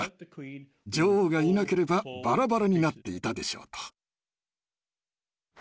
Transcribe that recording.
女王がいなければバラバラになっていたでしょうと。